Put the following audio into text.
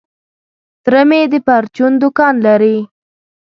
تره مي د پرچون دوکان لري .